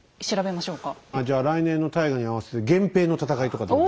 まあじゃあ来年の大河に合わせて「源平の戦い」とかどうですか？